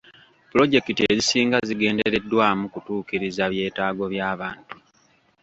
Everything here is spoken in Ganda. Pulojekiti ezisinga zigendereddwamu kutuukiriza byetaago by'abantu.